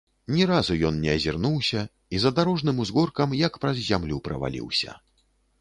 Ні разу ён не азірнуўся і за дарожным узгоркам як праз зямлю праваліўся.